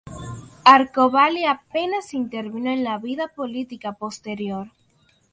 Arco-Valley apenas intervino en la vida política posterior.